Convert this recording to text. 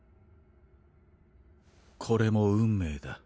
これも運命だ。